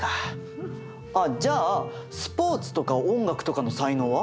あっじゃあスポーツとか音楽とかの才能は？